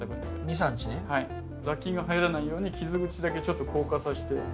雑菌が入らないように傷口だけちょっと硬化させて。